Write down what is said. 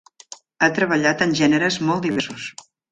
Ha treballat en gèneres molt diversos.